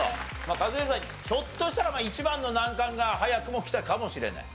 カズレーザーひょっとしたら一番の難関が早くも来たかもしれない。